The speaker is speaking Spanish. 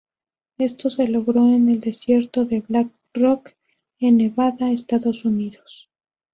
Esto se logró en el desierto de Black Rock en Nevada, Estados Unidos.